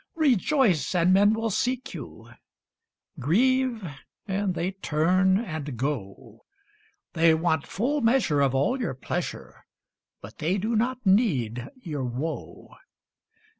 Rejoice, and men will seek you; Grieve, and they turn and go; They want full measure of all your pleasure, But they do not need your woe.